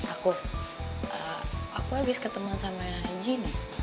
aku aku abis ketemuan sama gini